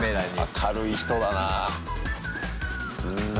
明るい人だなぁ。